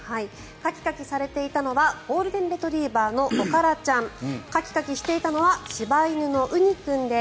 カキカキされていたのはゴールデンレトリバーのおからちゃんカキカキしていたのは柴犬の、うに君です。